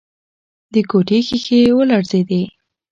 د کوټې ښيښې ولړزېدې.